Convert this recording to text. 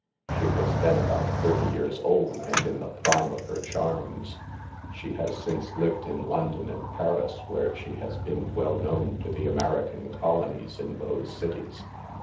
She was then about thirty years old, and in the prime of her charms. She has since lived in London and Paris, where she has been 182 SAVE THE GIRLS. well known to the American colonies in those cities.